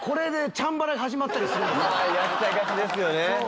やりたがりですよね。